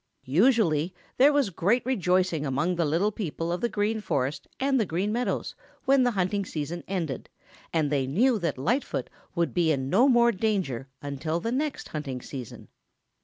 Usually there was great rejoicing among the little people of the Green Forest and the Green Meadows when the hunting season ended and they knew that Lightfoot would be in no more danger until the next hunting season.